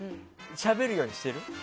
しゃべるようにしてる？